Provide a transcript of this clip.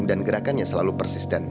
dan gerakannya selalu persisten